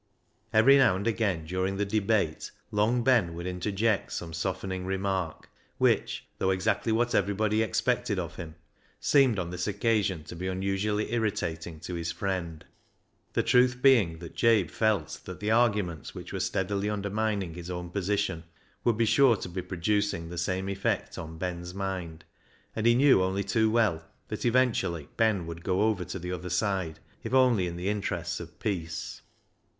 Every now and again during the debate Long Ben would interject some softening remark, which, though exactly what everybody expected of him, seemed on this occasion to be unusually irritating to his friend ; the truth being that Jabe felt that the arguments which were steadily undermining his own position would be sure to be producing the same effect on Ben's mind, and he knew only too well that eventually Ben would go over to the other side if only in the interests of peace.